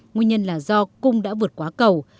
nguyên nhân là do cung đã vượt quá cầu